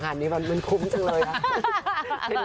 อันนี้มันคุ้มจังเลยนะ